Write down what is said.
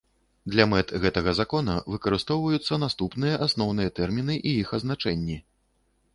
Для мэт гэтага Закона выкарыстоўваюцца наступныя асноўныя тэрмiны i iх азначэннi.